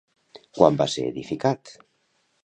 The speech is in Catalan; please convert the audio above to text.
Quan va ser edificat?